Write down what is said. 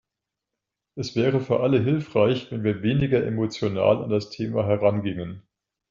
Es wäre für alle hilfreich, wenn wir weniger emotional an das Thema herangingen.